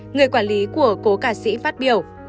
người quản lý của cố ca sĩ phát biểu